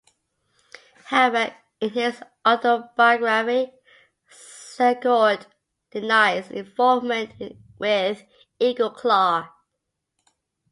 However, in his autobiography, Secord denies involvement with Eagle Claw.